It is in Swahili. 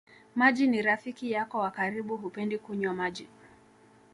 Maji ni rafiki yako wa karibu hupendi kunywa maji